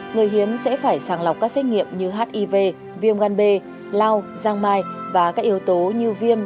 người hiến sẽ phải sàng lọc các xét nghiệm như hiv viêm gan b lao giang mai và các yếu tố như viêm